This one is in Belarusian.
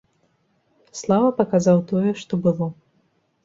Слава паказаў тое, што было.